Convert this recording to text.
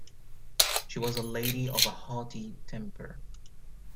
She was a lady of a haughty temper.